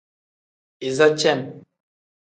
Iza cem.